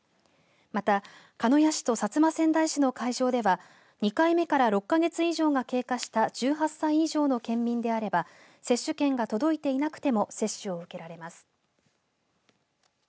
また、鹿屋市と薩摩川内市の会場では２回目から６か月以上が経過した１８歳以上の県民であれば接種券が届いていなくても接種を受けられます。